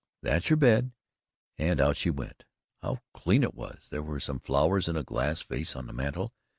That's your bed," and out she went. How clean it was! There were some flowers in a glass vase on the mantel.